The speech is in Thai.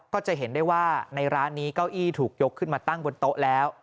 ก็จะเห็นได้ว่าในร้านนี้เก้าอี้ถูกยกขึ้นมาตั้งบนโต๊ะแล้ว